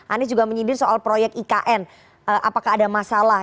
anies juga menyindir soal proyek ikn apakah ada masalah